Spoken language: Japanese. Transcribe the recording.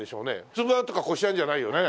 つぶあんとかこしあんじゃないよね。